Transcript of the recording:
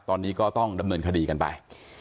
ตอนนี้ก็ต้องดำเนินคดีกันไป